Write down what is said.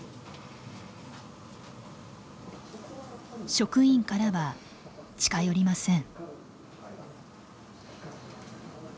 職員からは近寄りません。